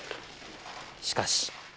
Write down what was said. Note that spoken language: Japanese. しかし。